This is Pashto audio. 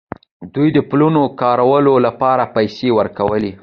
دوی د پلونو کارولو لپاره پیسې ورکولې.